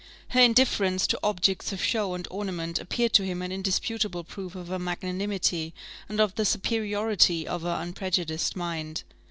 Her indifference to objects of show and ornament appeared to him an indisputable proof of her magnanimity, and of the superiority of her unprejudiced mind.